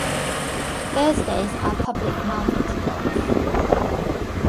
Thursdays are public market days.